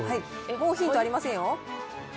もうヒントありませんよ。